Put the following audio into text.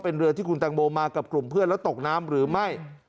เป็นเรือที่คุณตังโมมากับกลุ่มเพื่อนแล้วตกน้ำหรือไม่